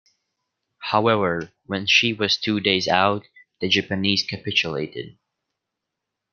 However, when she was two days out, the Japanese capitulated.